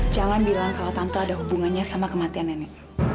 jalan bilang kalau tante ada hubungannya sama kematian nenek